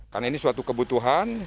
karena ini suatu kebutuhan